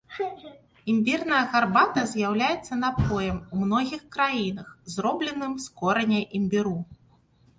Імбірная гарбата з'яўляецца напоем ў многіх краінах, зробленым з кораня імбіру.